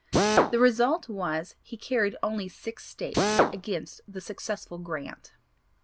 The result was he carried only six States against the successful Grant.